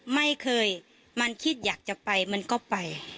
ไม่เคยมันคิดอยากจะไปมันก็ไป